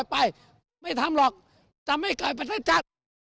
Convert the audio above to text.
ไปไม่ทำหรอกจะไม่เกิดประเทศชาติ